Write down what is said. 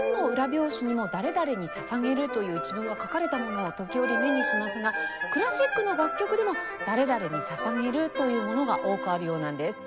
表紙にも「誰々に捧げる」という一文が書かれたものを時折目にしますがクラシックの楽曲でも「誰々に捧げる」というものが多くあるようなんです。